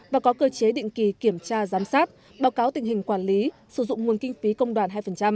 và có cơ chế định kỳ kiểm tra giám sát báo cáo tình hình quản lý sử dụng nguồn kinh phí công đoàn hai